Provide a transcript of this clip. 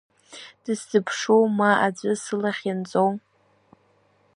Дысзыԥшу ма аӡә сылахь ианҵоу?